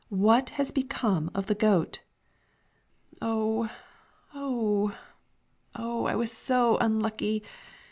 "What has become of the goat?" "Oh oh oh! I was so unlucky.